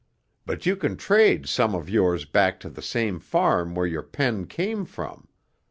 But you can trade some of yours back to the same farm where your pen came from.